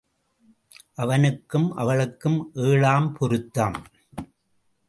அவனுக்கும் அவளுக்கும் ஏழாம் பொருத்தம்.